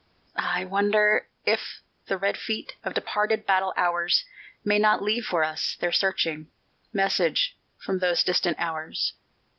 Ah, I wonder if the red feet Of departed battle hours May not leave for us their searching Message from those distant hours.